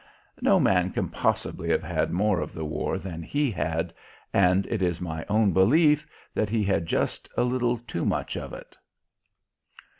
No man can possibly have had more of the war than he had, and it is my own belief that he had just a little too much of it.